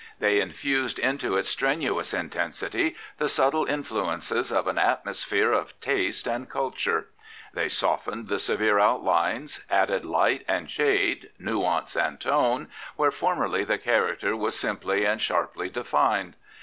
They infused into its strenuous intensity the subtle influences of an atmo 99 Prophets, Priests, and Kings sphere of taste and culture. They softened the severe outlines, added light and shade, ^ ^ance and tone, where formerly the character was simpfe'and sharply defined.